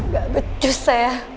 gak becus saya